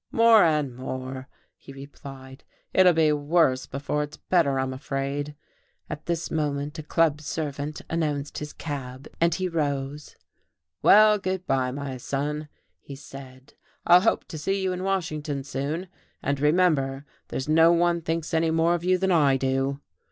"More and more," he replied. "It'll be worse before it's better I'm afraid." At this moment a club servant announced his cab, and he rose. "Well, good bye, my son," he said. "I'll hope to see you in Washington soon. And remember there's no one thinks any more of you than I do."